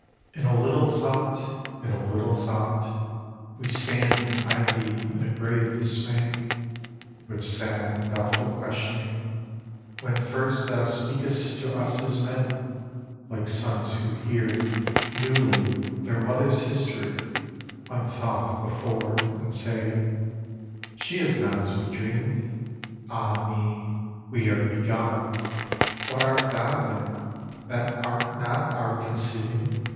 In a little thought, in a little thought, We stand and eye thee in a grave dismay, With sad and doubtful questioning, when first Thou speak'st to us as men: like sons who hear Newly their mother's history, unthought Before, and say "She is not as we dreamed: Ah me! we are beguiled!" What art thou, then, That art not our conceiving?